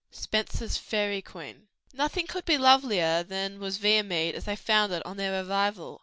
SPENSER'S FAERY QUEEN Nothing could be lovelier than was Viamede as they found it on their arrival.